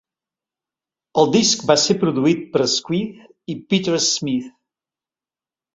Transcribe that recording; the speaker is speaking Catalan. El disc va ser produït per Squeeze i Peter Smith.